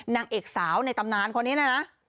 นางเอกสาวในตำนานคนนี้นะนะ